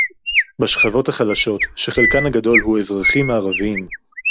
בשכבות החלשות שחלקן הגדול הוא האזרחים הערבים